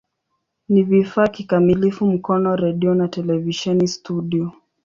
Ni vifaa kikamilifu Mkono redio na televisheni studio.